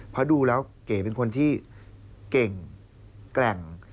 เพราะดูแล้วเก๋เป็นคนที่เก่งแกร่ง